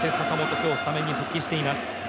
今日スタメンに復帰しています。